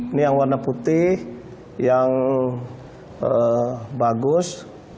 ini yang warna putih yang bagus